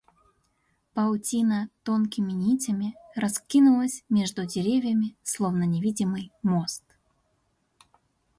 Паутина тонкими нитями раскинулась между деревьями, словно невидимый мост.